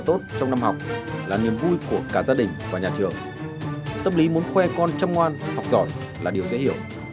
tốt trong năm học là niềm vui của cả gia đình và nhà trường tâm lý muốn khoe con chăm ngoan học giỏi là điều dễ hiểu